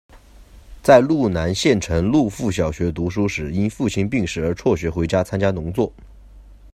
在路南县城鹿阜小学读书时，因父亲病逝而辍学回家参加农作。